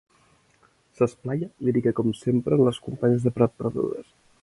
S'esplaia, lírica com sempre, en les companyes de prat perdudes.